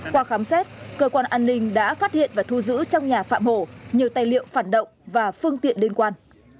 qua khám xét cơ quan an ninh đã phát hiện và thu giữ trong nhà phạm hổ nhiều tài liệu phản động và phương tiện liên quan